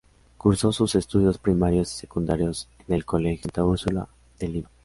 Cursó sus estudios primarios y secundarios en el Colegio Santa Úrsula de Lima.